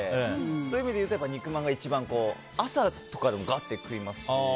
そういう意味でいうと肉まんが一番朝とかでもガッって食べますし。